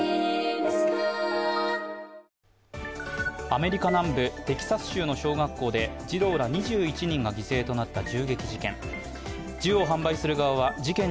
アメリカ南部テキサス州の小学校で児童ら２１人が犠牲となった銃撃事件。